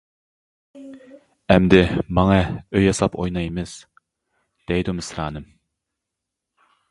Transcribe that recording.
ئەمدى ماڭە ئۆي ياساپ ئوينايمىز، -دەيدۇ مىسرانىم.